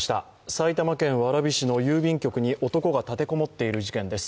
埼玉県蕨市の郵便局に男が立て籠もっている事件です。